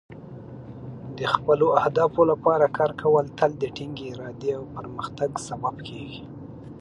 د خپلو اهدافو لپاره کار کول تل د ټینګې ارادې او پرمختګ سبب کیږي.